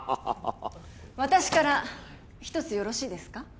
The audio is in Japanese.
私から一つよろしいですか？